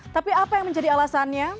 tapi apa yang menjadi alasannya